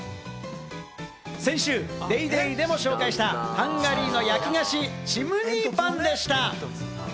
先週『ＤａｙＤａｙ．』でも紹介したハンガリーの焼き菓子・チムニーパンでした。